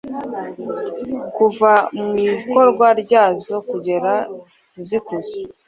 kuva mu ikorwa ryazo kugeza zikuze